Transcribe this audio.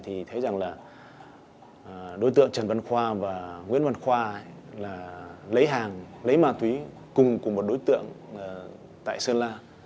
thì thấy rằng là đối tượng trần văn khoa và nguyễn văn khoa là lấy hàng lấy ma túy cùng của một đối tượng tại sơn la